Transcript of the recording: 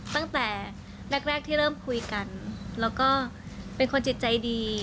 ตั้งแต่แรกที่เริ่มคุยกันแล้วก็เป็นคนจิตใจดี